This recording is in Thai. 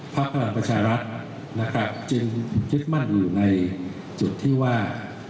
พลังประชารัฐนะครับจึงยึดมั่นอยู่ในจุดที่ว่า